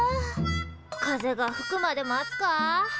風がふくまで待つか。